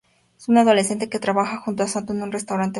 Un adolescente que trabaja junto a Satō en un restaurante familiar.